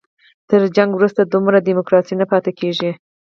تر جګړې وروسته دومره ډیموکراسي نه پاتې کېږي.